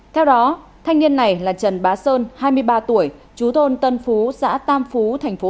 theo đó thanh niên này là trần bá sơn hai mươi ba tuổi chú thôn tân phú xã tam phú